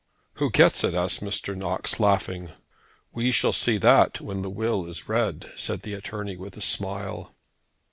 "Who gets it?" asked Mr. Knox, laughing. "We shall see that when the will is read," said the attorney with a smile.